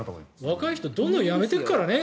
若い人はどんどん辞めていくからね。